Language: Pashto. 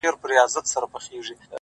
o قاتل ژوندی دی. مړ یې وجدان دی.